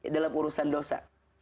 dalam urusan dosa